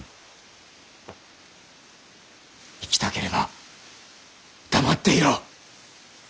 生きたければ黙っていろ。